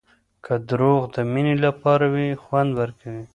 که دروغ د مینې لپاره وي خوند ورکوي.